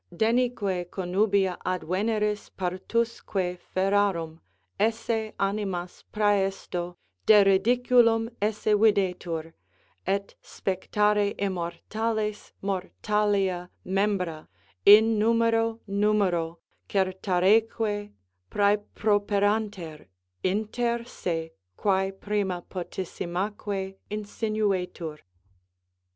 Denique comrabia ad Veneris, partusque ferarum Esse animas præsto, deridiculum esse videtur; Et spectare immortales mortalia membra Innumero numéro, certareque præproperanter Inter se, quæ prima potissimaqæ insinueter.